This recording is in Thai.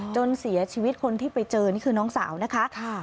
จนเสียชีวิตคนที่ไปเจอนี่คือน้องสาวนะคะ